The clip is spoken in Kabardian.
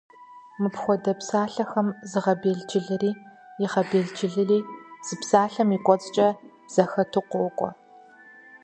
Мыпхуэдэ псалъэхэм зыгъэбелджылыри, игъэбелджылыри зы псалъэм и кӏуэцӏкӏэ зэхэту къокӏуэ.